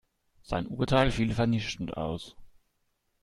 Sein Urteil fiel vernichtend aus.